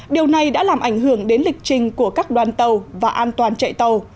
điều này đã làm ảnh hưởng đến lịch trình của các đoàn tàu và an toàn chạy tàu